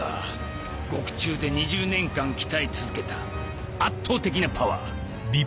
獄中で２０年間鍛え続けた圧倒的なパワー。